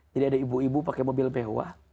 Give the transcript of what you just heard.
ada ibu ibu pakai mobil mewah